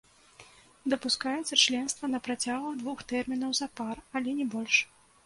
Дапускаецца членства на працягу двух тэрмінаў запар, але не больш.